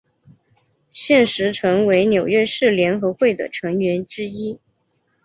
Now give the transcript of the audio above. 现时陈为纽约市联合会的成员之一。